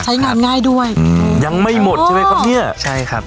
ใช้งานง่ายด้วยอืมยังไม่หมดใช่ไหมครับเนี้ยใช่ครับ